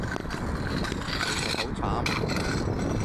其實好慘